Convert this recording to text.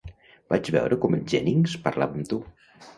Vaig veure com el Jennings parlava amb tu.